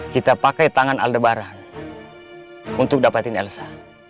kita pakai tangan aldebaran untuk dapatin elsa